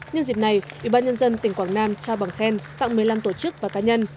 nhân dịp này ủy ban nhân dân tỉnh quảng nam trao bằng khen tặng một mươi năm tổ chức và cá nhân